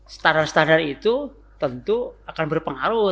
standar standar itu tentu akan berpengaruh